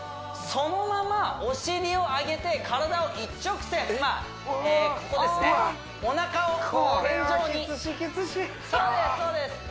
そのままお尻をあげて体を一直線ここですねおなかを天井にそうです